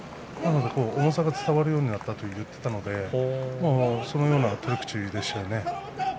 重さが伝わるようになったと言っていたのでそのような取り口でしたよね。